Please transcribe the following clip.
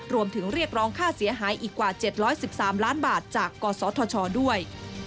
เรียกร้องค่าเสียหายอีกกว่า๗๑๓ล้านบาทจากกศธชด้วย